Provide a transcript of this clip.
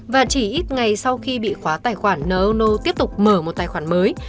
và chỉ ít ngày sau khi bị khóa tài khoản nô ô nô tiếp tục mở một tài khoản mới